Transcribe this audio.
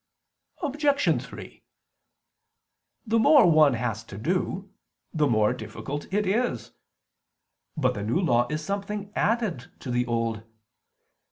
Obj. 3: The more one has to do, the more difficult it is. But the New Law is something added to the Old.